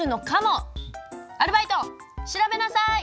アルバイト調べなさい！